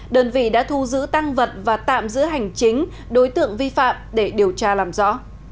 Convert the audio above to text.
đơn vị đã thu giữ tăng vật và tạm giữ hành chính đối tượng vi phạm để điều tra làm rõ